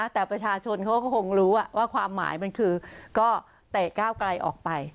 แต่ประชาชนเขาก็คงรู้ว่าความหมายมันคือก็เตะก้าวไกลออกไป